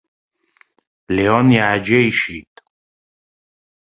Леон иааџьеишьеит.